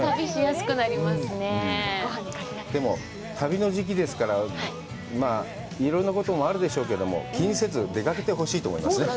旅の時期ですから、まあ、いろんなこともあるでしょうけども、気にせず出かけてほしいと思いますね。